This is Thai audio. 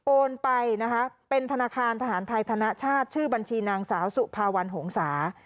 โอนไปนะคะเป็นธนาคารทหารไทยธนชาติชื่อบัญชีนางสาวสุภาวันหงษา